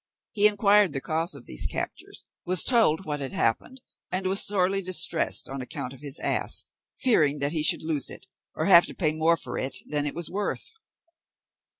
He inquired the cause of these captures, was told what had happened, and was sorely distressed on account of his ass, fearing that he should lose it, or have to pay more for it than it was worth.